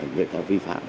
người ta vi phạm